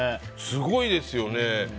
すごいですよね。